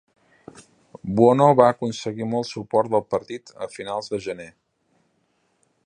Buono va aconseguir molt suport del partit a finals de gener.